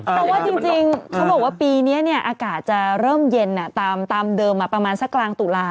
เพราะว่าจริงเขาบอกว่าปีนี้อากาศจะเริ่มเย็นตามเดิมประมาณสักกลางตุลา